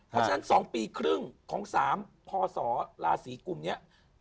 เพราะฉะนั้น๒ปีครึ่งของ๓พศราศีกลุ่มนี้